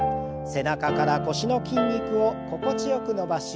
背中から腰の筋肉を心地よく伸ばし